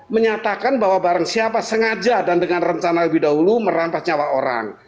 menyatakan bahwa barang siapa sengaja dan dengan rencana lebih dahulu merampas nyawa orang